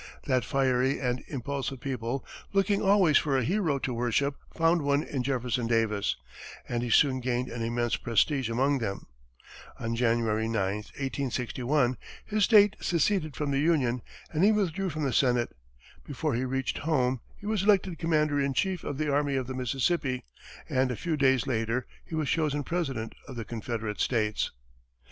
That fiery and impulsive people, looking always for a hero to worship, found one in Jefferson Davis, and he soon gained an immense prestige among them. On January 9, 1861, his state seceded from the Union, and he withdrew from the Senate. Before he reached home, he was elected commander in chief of the Army of the Mississippi, and a few days later, he was chosen President of the Confederate States.